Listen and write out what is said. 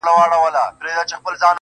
خدايه هغه زما د کور په لار سفر نه کوي.